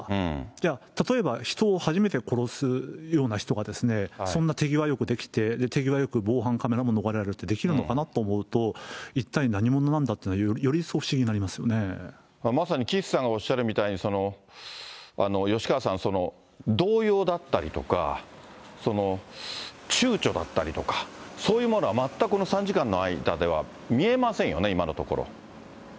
じゃあ、例えば人を初めて殺すような人がですね、そんな手際よくできて、手際よく防犯カメラも逃れられるってできるのかなって思うと、一体何者なんだっていうのは、まさに岸さんがおっしゃるみたいに、吉川さん、動揺だったりとかちゅうちょだったりとか、そういうものは全く、この３時間の間では見えませんよね、今のところ。